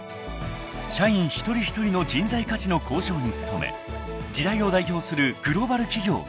［社員一人一人の人材価値の向上に努め時代を代表するグローバル企業を目指す］